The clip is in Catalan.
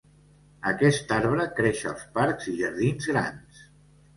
Aquest arbre creix als parcs i jardins grans.